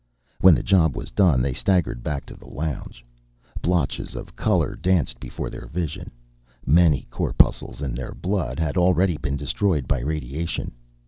When the job was done they staggered back to the lounge. Blotches of color danced before their vision. Many corpuscles in their blood had already been destroyed by radiation.